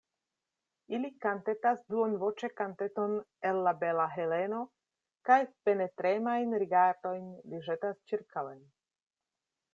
Li kantetas duonvoĉe kanteton el La Bela Heleno, kaj penetremajn rigardojn li ĵetas ĉirkaŭen.